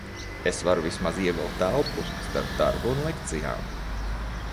Es varu vismaz ievilkt elpu starp darbu un lekcijām.